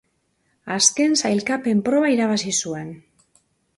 Azken sailkapen-proba irabazi zuen.